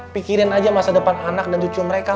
pikirin aja masa depan anak dan cucu mereka